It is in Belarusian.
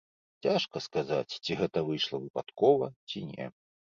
Цяжка сказаць, ці гэта выйшла выпадкова, ці не.